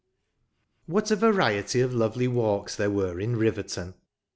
What a variety of lovely walks there were in Riverton!